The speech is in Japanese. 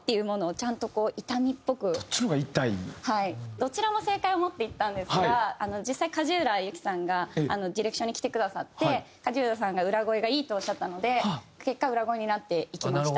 どちらも正解を持っていったんですが実際梶浦由記さんがディレクションに来てくださって梶浦さんが「裏声がいい」とおっしゃったので結果裏声になっていきました。